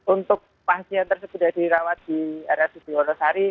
untuk pasien tersebut yang dirawat di area susi wonosari